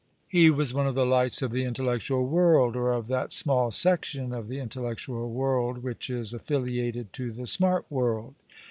He was one of the lights of the intellectual world, or of that small section of the intellectual world which is affiliated to the smart world.